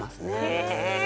へえ！